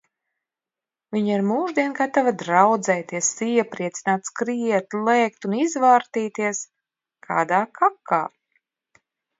Viņa ir mūždien gatava draudzēties, iepriecināt, skriet, lēkt un izvārtīties kādā kakā.